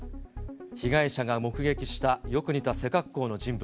被害者が目撃したよく似た背格好の人物。